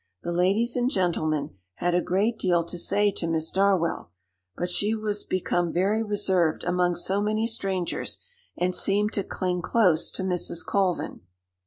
The ladies and gentlemen had a great deal to say to Miss Darwell, but she was become very reserved among so many strangers, and seemed to cling close to Mrs. Colvin.